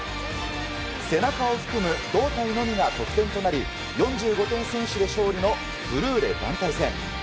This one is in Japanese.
背中を含む胴体のみが得点となり４５点先取で勝利のフルーレ団体戦。